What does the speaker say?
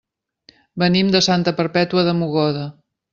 Venim de Santa Perpètua de Mogoda.